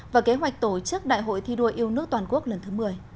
và kế hoạch tổ chức đại hội thi đua yêu nước toàn quốc lần thứ một mươi